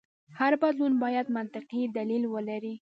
هر بدلون باید منطقي دلیل ولري.